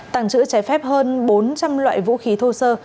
tẳng chữ trái phép hơn bốn trăm linh loại vũ khí thô sơ